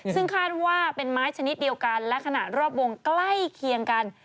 ซึ่งคาดว่าเป็นไม้ชนิดเดียวกันและขณะรอบวงใกล้เคียงกัน